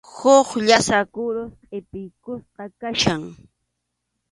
Huk llasa kurus qʼipiykusqa kachkan.